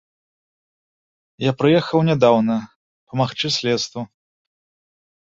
Я прыехаў нядаўна, памагчы следству.